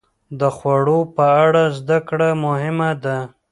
د خوړو په اړه زده کړه مهمه ده.